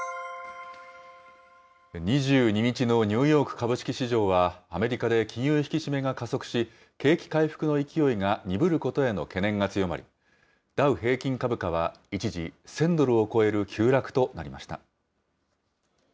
２２日のニューヨーク株式市場は、アメリカで金融引き締めが加速し、景気回復の勢いが鈍ることへの懸念が強まり、ダウ平均株価は一時、１０００ドルを超える急落となりました。